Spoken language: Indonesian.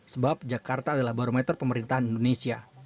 sebab jakarta adalah barometer pemerintahan indonesia